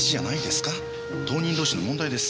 当人同士の問題です。